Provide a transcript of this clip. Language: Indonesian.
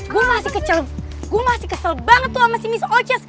gue masih kecel gue masih kesel banget tuh sama si miss ochces